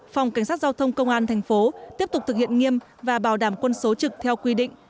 phòng cảnh sát giao thông công an thành phố tiếp tục thực hiện nghiêm và bảo đảm quân số trực theo quy định